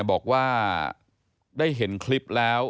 บอกว่าได้เห็นคลิปแล้ว